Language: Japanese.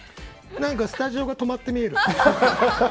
何かスタジオが止まって見える。